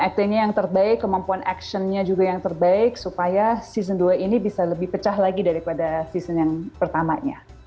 actingnya yang terbaik kemampuan actionnya juga yang terbaik supaya season dua ini bisa lebih pecah lagi daripada season yang pertamanya